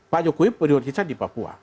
pak jokowi prioritasnya di papua